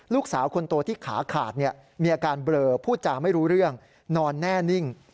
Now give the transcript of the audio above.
ลูกสาวคนโตที่ขาขาดมีอาการเบลอพูดจาไม่รู้เรื่องนอนแน่นิ่ง